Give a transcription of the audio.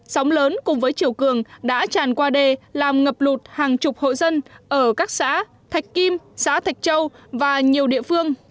sóng lớn cùng với chiều cường đã tràn qua đê làm ngập lụt hàng chục hộ dân ở các xã thạch kim xã thạch châu và nhiều địa phương